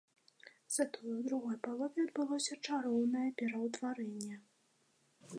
Затое ў другой палове адбылося чароўнае пераўтварэнне.